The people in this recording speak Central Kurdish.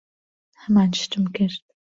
ھەمان شتم کرد.